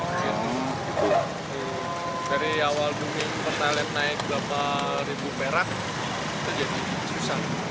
dari awal dulu pertalite naik berapa ribu perak itu jadi susah